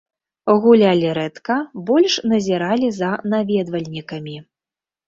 Гулялі рэдка, больш назіралі за наведвальнікамі.